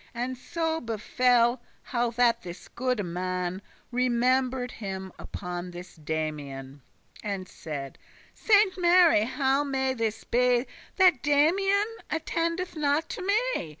And so befell, how that this goode man Remember'd him upon this Damian. And saide; "Saint Mary, how may this be, That Damian attendeth not to me?